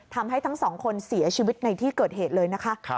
ทั้งสองคนเสียชีวิตในที่เกิดเหตุเลยนะคะ